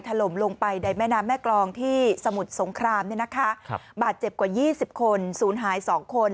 ถล่มลงไปในแม่น้ำแม่กรองที่สมุทรสงครามบาดเจ็บกว่า๒๐คนศูนย์หาย๒คน